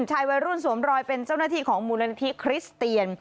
ชายวัยรุ่นสวมรอยเป็นเจ้าหน้าที่ของมูลนิธิคริสเตียน